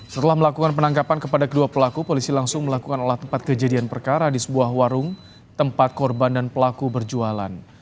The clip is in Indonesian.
setelah melakukan penangkapan kepada kedua pelaku polisi langsung melakukan olah tempat kejadian perkara di sebuah warung tempat korban dan pelaku berjualan